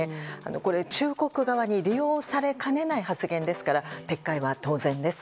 これ、中国側に利用されかねない発言ですから撤回は当然です。